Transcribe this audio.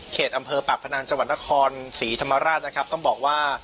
อำเภอปากพนังจังหวัดนครศรีธรรมราชนะครับต้องบอกว่า